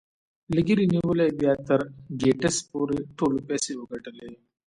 له ګيري نيولې بيا تر ګيټس پورې ټولو پيسې وګټلې.